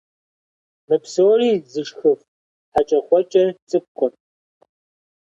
Мы псори зышхыф хьэкӀэкхъуэкӀэр цӀыкӀукъым.